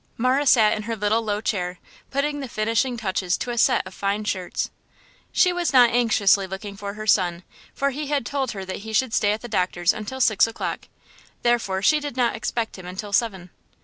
Marah sat in her little low chair, putting the finishing touches to a set of fine shirts. She was not anxiously looking for her son, for he had told her that he should stay at the doctor's until six o'clock; therefore she did not expect him until seven.